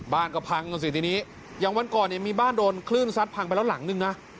บ้านก็พังอย่างวันก่อนมีบ้านโดนคลื่นซัดพังไปแล้วหลังหนึ่ง